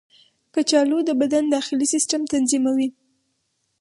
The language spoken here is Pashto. کچالو د بدن د داخلي سیسټم تنظیموي.